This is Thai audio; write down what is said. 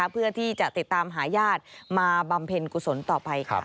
เพื่อที่จะติดตามหาญาติมาบำเพ็ญกุศลต่อไปค่ะ